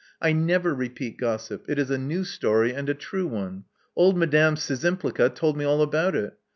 I never repeat gossip. It is a new story, and a true one. Old Madame Szczymplga told me all about it.